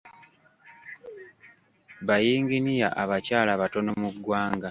Bayinginiya abakyala batono mu ggwanga.